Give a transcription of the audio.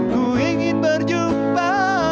ku ingin berjumpa